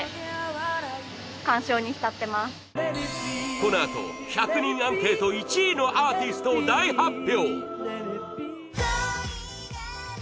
このあと１００人アンケート１位のアーティストを大発表！